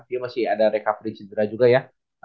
dia masih ada recovery cedera juga ya